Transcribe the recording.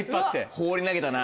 放り投げたな。